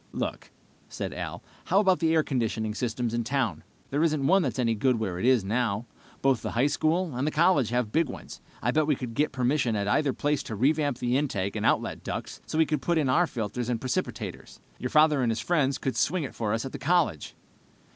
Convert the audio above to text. "Look," said Al, "how about the air conditioning systems in town? There isn't one that's any good where it is, now. Both the high school and the college have big ones. I'll bet we could get permission at either place to revamp the intake and outlet ducts so we could put in our filters and precipitators. Your father and his friends could swing it for us at the college."